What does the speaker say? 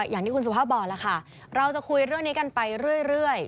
อย่างที่คุณสุภาพบอกแล้วค่ะเราจะคุยเรื่องนี้กันไปเรื่อย